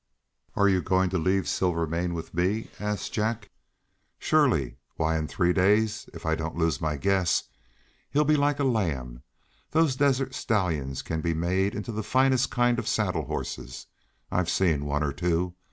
"Are you going to leave Silvermane with me?" asked Jack. "Surely. Why, in three days, if I don't lose my guess, he'll be like a lamb. Those desert stallions can be made into the finest kind of saddle horses. I've seen one or two.